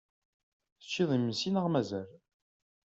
Teččiḍ imensi neɣ mazal?